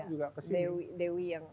juga ke dewi yang